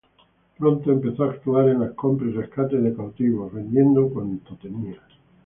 Pronto empezó a actuar en la compra y rescate de cautivos, vendiendo cuanto tenía.